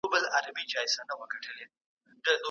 هغه د فاضله ښار کتاب ليکلی دی.